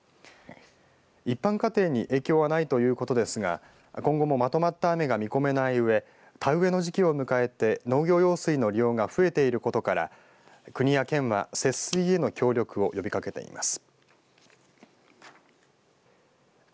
一般家庭に影響はないということですが今後もまとまった雨が見込めないうえ田植えの時期を迎えて農業用水の利用が増えていることから国や県は節水への協力を呼びかけています。